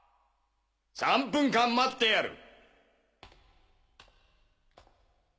３分間待ってやる。